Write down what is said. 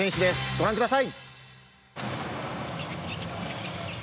ご覧ください！